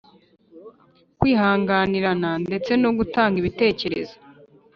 kwihanganirana ndetse no gutanga ibitekerezo